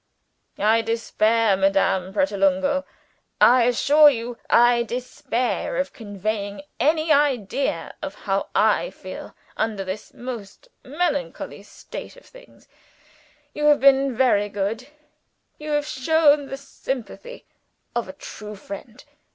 "I despair, Madame Pratolungo I assure you, I despair of conveying any idea of how I feel under this most melancholy state of things. You have been very good; you have shown the sympathy of a true friend.